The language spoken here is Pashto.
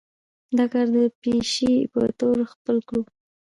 دا کار د پيشې پۀ طور خپل کړو